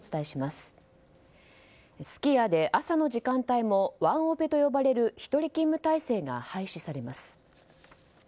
すき家で朝の時間帯もワンオペと呼ばれる１人勤務体制が廃止されます。